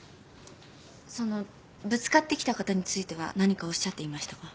そのぶつかってきた方については何かおっしゃっていましたか？